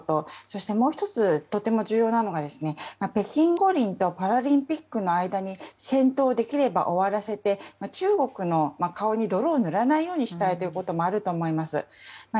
そして、もう１つとても重要なのが北京五輪とパラリンピックの間にできれば戦闘を終わらせて中国の顔に泥を塗らないようにしたいということもあると思います。